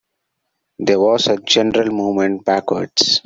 There was a general movement backwards.